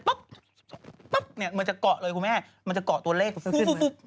ป๊อบมันจะเกาะเลยคุณแม่มันจะเกาะตัวเลขปุ๊บ